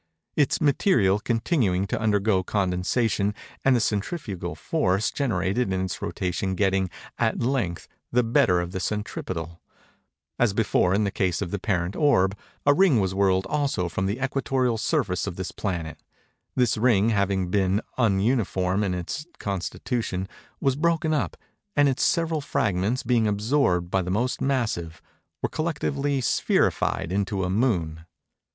Its material continuing to undergo condensation, and the centrifugal force generated in its rotation getting, at length, the better of the centripetal, as before in the case of the parent orb, a ring was whirled also from the equatorial surface of this planet: this ring, having been ununiform in its constitution, was broken up, and its several fragments, being absorbed by the most massive, were collectively spherified into a moon.